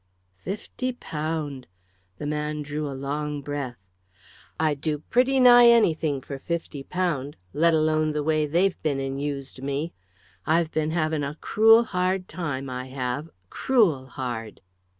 "Fifty pound!" The man drew a long breath. "I'd do pretty nigh anything for fifty pound, let alone the way they've been and used me. I've been having a cruel hard time, I have cruel hard!"